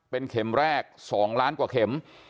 เป็นเข็มแรก๒ล้านกว่าเข็ม